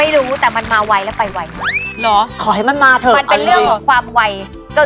ดูให้แม่ท็อปด้วย